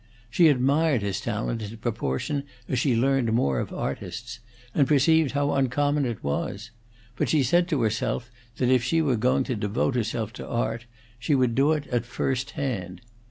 She admired his talent in proportion as she learned more of artists, and perceived how uncommon it was; but she said to herself that if she were going to devote herself to art, she would do it at first hand.